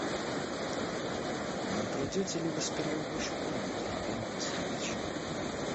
Но не пройдете ли вы сперва в вашу комнату, Евгений Васильич?